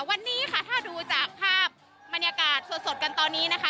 วันนี้ค่ะถ้าดูจากภาพบรรยากาศสดกันตอนนี้นะคะ